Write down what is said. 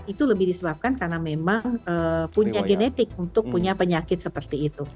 itu lebih disebabkan karena memang punya genetik untuk punya penyakit seperti itu